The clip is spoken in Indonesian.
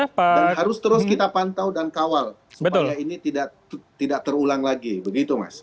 dan harus terus kita pantau dan kawal supaya ini tidak terulang lagi begitu mas